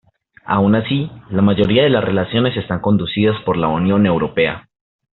Aun así, la mayoría de las relaciones están conducidas por la Unión Europea.